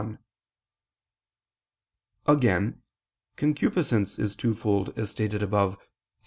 Again, concupiscence is twofold, as stated above (Q.